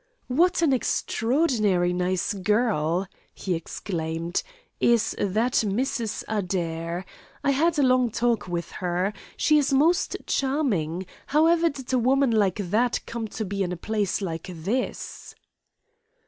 "What an extraordinary nice girl," he exclaimed, "is that Mrs. Adair! I had a long talk with her. She is most charming. However did a woman like that come to be in a place like this?"